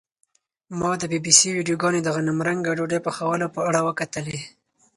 ما د بي بي سي ویډیوګانې د غنمرنګه ډوډۍ پخولو په اړه وکتلې.